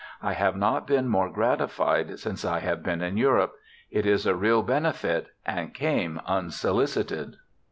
I have not been more gratified since I have been in Europe ; it is a real benefit and came unsolicited.'